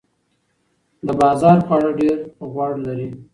د بازار خواړه ډیر غوړ لري.